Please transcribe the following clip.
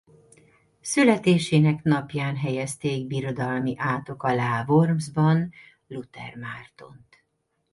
Születésének napján helyezték birodalmi átok alá Wormsban Luther Mártont.